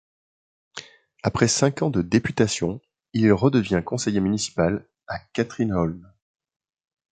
Après cinq ans de députations il redevient conseiller municipal à Katrineholm.